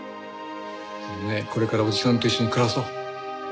これからおじさんと一緒に暮らそう。